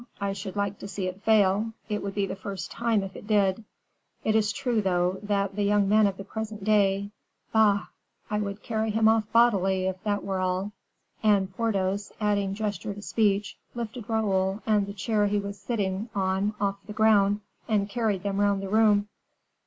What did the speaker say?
I should like to see it fail. It would be the first time, if it did. It is true, though, that the young men of the present day Bah! I would carry him off bodily, if that were all," and Porthos, adding gesture to speech, lifted Raoul and the chair he was sitting on off the ground, and carried them round the room.